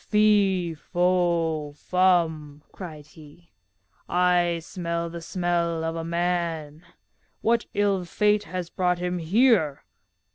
'Fee, Fo, Fum,' cried he, 'I smell the smell of a man. What ill fate has brought him here?